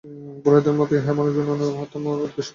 পুরোহিতদের মতে ইহাই মানব-জীবনের মহত্তম উদ্দেশ্য।